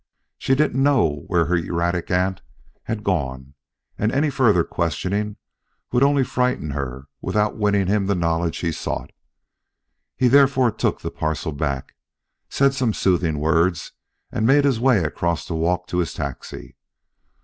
She didn't know where her erratic aunt had gone; and any further questioning would only frighten her without winning him the knowledge he sought. He therefore took the parcel back, said some soothing words and made his way across the walk to his taxi.